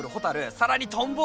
更にトンボは。